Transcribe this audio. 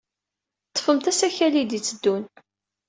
Ḍḍfemt asakal ay d-yetteddun.